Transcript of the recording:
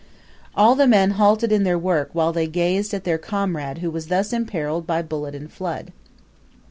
All the men halted in their work while they gazed at their comrade who was thus imperilled by bullet and flood.